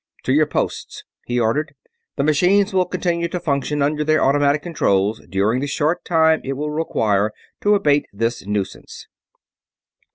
"To your posts," he ordered. "The machines will continue to function under their automatic controls during the short time it will require to abate this nuisance."